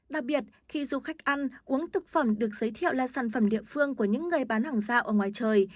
đặc biệt khi du khách ăn uống thực phẩm được giới thiệu là sản phẩm địa phương của những người bán hàng dạo ở ngoài trời